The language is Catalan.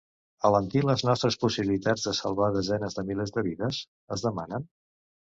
Alentir les nostres possibilitats de salvar desenes de milers de vides?, es demanen.